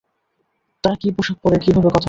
তারা কী পোশাক পরে, কীভাবে কথা বলে।